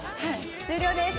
「終了です。